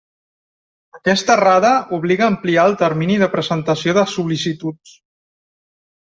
Aquesta errada obliga a ampliar el termini de presentació de sol·licituds.